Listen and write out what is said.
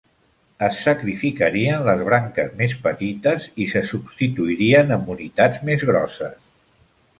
Es sacrificarien les branques més petites i se substituirien amb unitats més grosses.